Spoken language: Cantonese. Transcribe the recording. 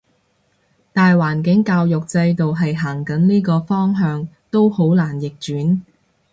大環境教育制度係行緊呢個方向，都好難逆轉